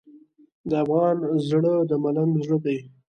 د افغان زړه د ملنګ زړه دی.